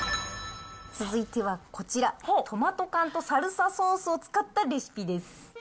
続いてはこちら、トマト缶とサルサソースを使ったレシピです。